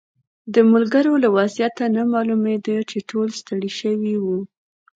د ملګرو له وضعیت نه معلومېده چې ټول ستړي شوي وو.